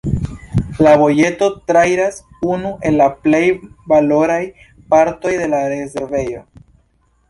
La vojeto trairas unu el la plej valoraj partoj de la rezervejo.